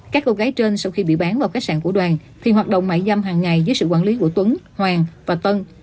các cô gái trên sau khi bị bán vào khách sạn của đoàn thì hoạt động mại dâm hàng ngày dưới sự quản lý của tuấn hoàng và tân